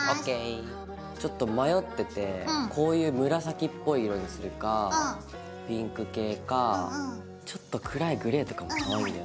ちょっと迷っててこういう紫っぽい色にするかピンク系かちょっと暗いグレーとかもかわいいよね。